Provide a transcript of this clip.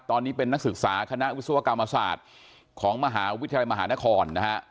ตอนนี้เป็นนักศึกษาคณะวิศวกรรมศาสตร์ของมหาวิทยาลัยมหานครนะฮะ